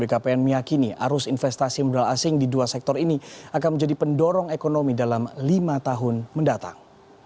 bkpn meyakini arus investasi modal asing di dua sektor ini akan menjadi pendorong ekonomi dalam lima tahun mendatang